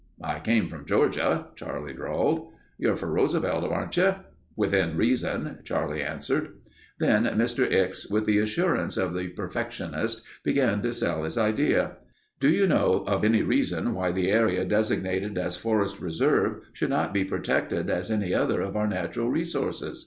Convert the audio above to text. "I came from Georgia," Charlie drawled. "You're for Roosevelt, aren't you?" "Within reason," Charlie answered. Then Mr. Ickes, with the assurance of the perfectionist began to sell his idea. "Do you know of any reason why the area designated as Forest Reserve should not be protected as any other of our natural resources?"